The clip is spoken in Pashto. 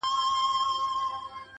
خدايه هغه داسي نه وه